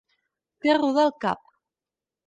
Fer rodar el cap.